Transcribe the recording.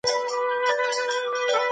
د پښتو ږغونه د عربي نښو په واسطه نه سمیږي.